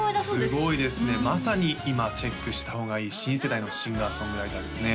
すごいですねまさに今チェックした方がいい新世代のシンガー・ソングライターですね